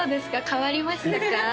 変わりましたか？